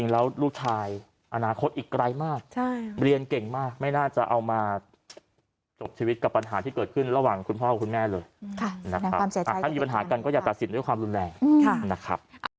เรียนเก่งมากไม่น่าจะเอามาจบชีวิตกับปัญหาที่เกิดขึ้นระหว่างคุณพ่อคุณแม่เลยค่ะนะฮะถ้ามีปัญหากันก็อย่าตัดสินด้วยความรุนแรงค่ะนะครับ